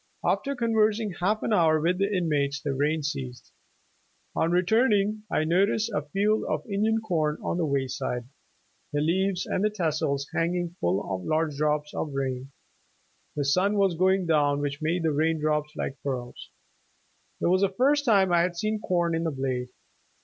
After conversing half an hour with the inmates, the rain ceased. On returning I noticed a field of Indian corn on the wayside, the leaves and tas sels hanging full of large drops of rain ; the sun was going down, w^hich made the raindrops like pearls. It was the first time I had seen corn in the blade.